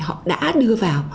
họ đã đưa vào